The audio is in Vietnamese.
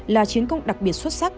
là chiến công đặc biệt xuất sắc